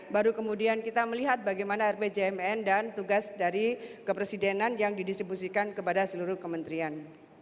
baru kemudian kita melihat bagaimana rpjmn dan tugas dari kepresidenan yang didistribusikan kepada seluruh kementerian